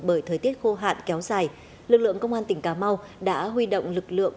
bởi thời tiết khô hạn kéo dài lực lượng công an tỉnh cà mau đã huy động lực lượng